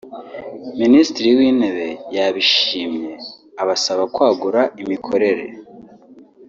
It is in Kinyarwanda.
Minisitiri w’Intebe yabishimye abasaba kwagura imikorere